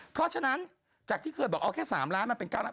เพราะฉะนั้นจากที่เคยบอกเอาแค่๓ล้านมันเป็น๙ล้าน